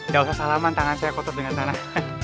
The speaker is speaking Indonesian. gak usah salaman tangan saya kotor dengan sana